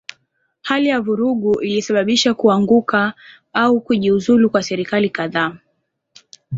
Hali ya vurugu ilisababisha kuanguka au kujiuzulu kwa serikali kadhaa.